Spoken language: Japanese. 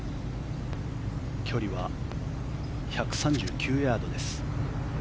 距離は１３９ヤードです。